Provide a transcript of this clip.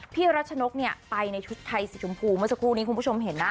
พี่รัชนกเนี่ยไปในชุดไทยสีชมพูเมื่อสักครู่นี้คุณผู้ชมเห็นนะ